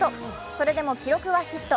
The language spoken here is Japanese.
それでも記録はヒット。